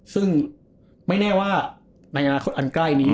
ซึ่งไม่แน่ว่าในอนาคตอันใกล้นี้